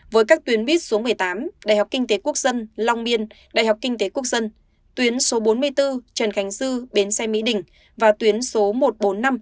với các tuyến buýt số một mươi tám đại học kinh tế quốc dân long biên đại học kinh tế quốc dân tuyến số bốn mươi bốn trần khánh dư bến xe mỹ đình và tuyến số một trăm bốn mươi năm